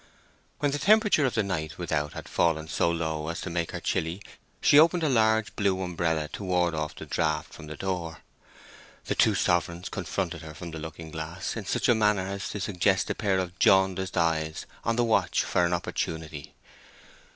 When the temperature of the night without had fallen so low as to make her chilly, she opened a large blue umbrella to ward off the draught from the door. The two sovereigns confronted her from the looking glass in such a manner as to suggest a pair of jaundiced eyes on the watch for an opportunity.